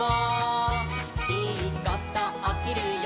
「いいことおきるよ